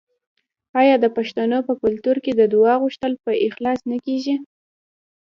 آیا د پښتنو په کلتور کې د دعا غوښتل په اخلاص نه کیږي؟